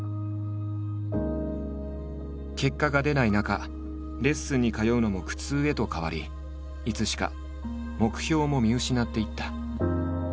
結果が出ない中レッスンに通うのも苦痛へと変わりいつしか目標も見失っていった。